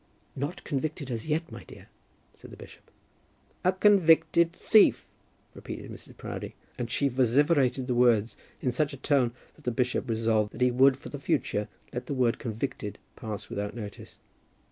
"Not convicted as yet, my dear," said the bishop. "A convicted thief," repeated Mrs. Proudie; and she vociferated the words in such a tone that the bishop resolved that he would for the future let the word convicted pass without notice.